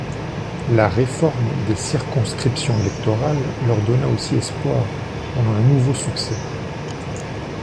La réforme des circonscriptions électorales leur donna aussi espoir en un nouveau succès.